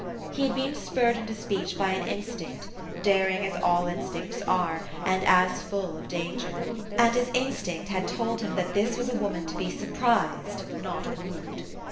He had been spurred into speech by an instinct, daring as all instincts are, and as full of danger. And his instinct had told him that this was a woman to be surprised, not wooed.